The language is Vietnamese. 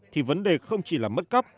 thì vấn đề không chỉ là mất cấp